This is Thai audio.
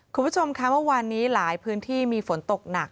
คุณผู้ชมค่ะเมื่อวานนี้หลายพื้นที่มีฝนตกหนัก